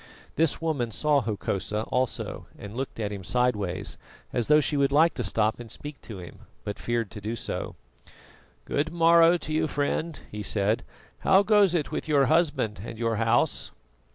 This woman saw Hokosa also and looked at him sideways, as though she would like to stop and speak to him, but feared to do so. "Good morrow to you, friend," he said. "How goes it with your husband and your house?"